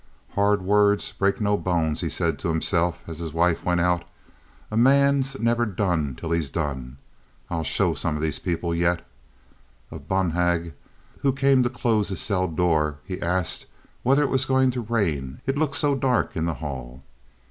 "Hard words break no bones," he said to himself, as his wife went out. "A man's never done till he's done. I'll show some of these people yet." Of Bonhag, who came to close the cell door, he asked whether it was going to rain, it looked so dark in the hall.